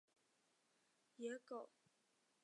野狗与缅甸蟒蛇是赤麂的主要天敌。